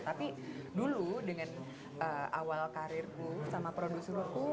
tapi dulu dengan awal karirku sama produserku